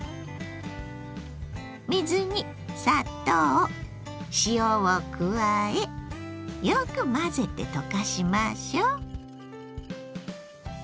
水に砂糖塩を加えよく混ぜて溶かしましょう。